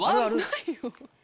ないよ。